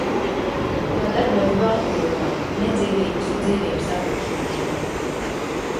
Tā darbojas banku jomā, nedzīvības un dzīvības apdrošināšanā.